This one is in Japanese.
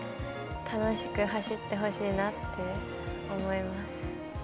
楽しく走ってほしいなって思います。